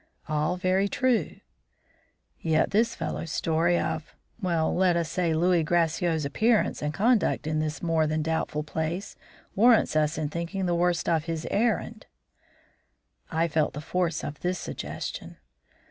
"All very true." "Yet this fellow's story of well, let us say, Louis Gracieux' appearance and conduct in this more than doubtful place, warrants us in thinking the worst of his errand." I felt the force of this suggestion.